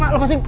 pak lepas sini